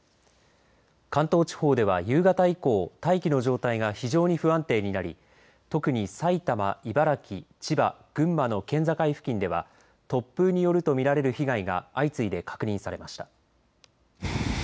関東地方では夕方以降大気の状態が非常に不安定になり特に埼玉、茨城、千葉、群馬の県境付近では突風によると見られる被害が相次いで確認されました。